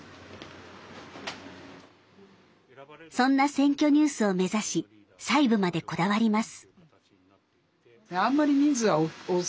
そんな「選挙ニュース」を目指し細部までこだわります。